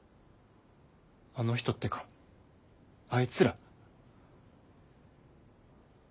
あの人ってかあいつら？